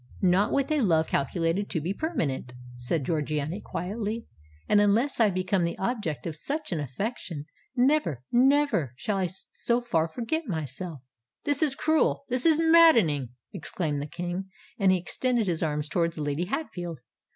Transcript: "Not with a love calculated to be permanent," said Georgiana quietly; "and unless I become the object of such an affection, never—never shall I so far forget myself——" "This is cruel—this is maddening!" exclaimed the King; and he extended his arms towards Lady Hatfield.